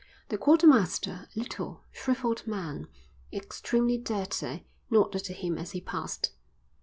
The quartermaster, a little, shrivelled man, extremely dirty, nodded to him as he passed.